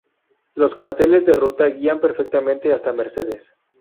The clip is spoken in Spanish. Los carteles de ruta guían perfectamente hasta Mercedes.